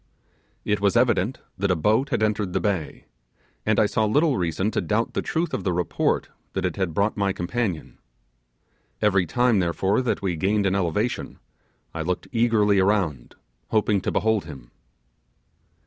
It was evident that a boat had entered the bay, and I saw little reason to doubt the truth of the report that it had brought my companion. Every time therefore that we gained an elevation, I looked eagerly around, hoping to behold him.